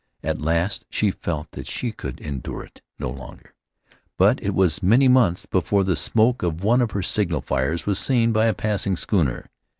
At last she felt that she could endure it no longer; but it was many months before the smoke of one of her signal fires was seen by a passing schooner.